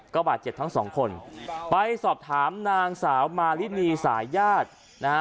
ก็บาดเจ็บทั้งสองคนไปสอบถามนางสาวมารินีสายญาตินะฮะ